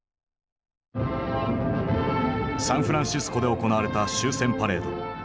サンフランシスコで行われた終戦パレード。